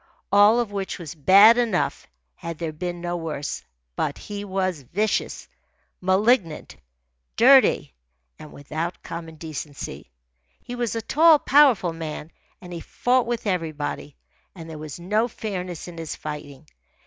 All of which was bad enough had there been no worse. But he was vicious, malignant, dirty, and without common decency. He was a tall, powerful man, and he fought with everybody. And there was no fairness in his fighting.